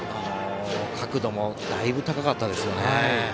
角度もだいぶ高かったですよね。